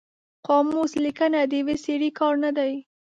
قاموس لیکنه د یو سړي کار نه دی